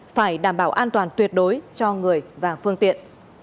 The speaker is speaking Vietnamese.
phải đảm bảo an toàn tuyệt đối cho người và phương tiện